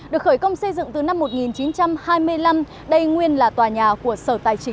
được khởi công xây dựng từ năm một nghìn chín trăm hai mươi năm đây nguyên là tòa nhà của sở tài chính